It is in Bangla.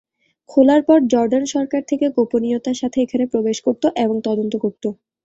খোলার পর জর্ডান সরকার থেকে গোপনীয়তার সাথে এখানে প্রবেশ করত এবং তদন্ত করত।